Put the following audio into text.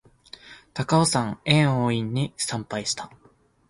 高尾山薬王院に参拝した